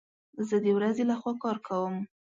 زه د ورځي لخوا کار کوم